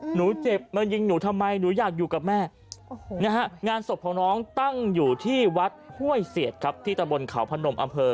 หนูเจ็บมายิงหนูทำไมหนูอยากอยู่กับแม่งานศพของน้องตั้งอยู่ที่วัดห้วยเสียดระบาดของเขส